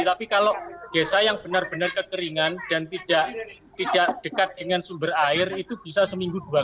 tapi kalau desa yang benar benar kekeringan dan tidak dekat dengan sumber air itu bisa seminggu dua kali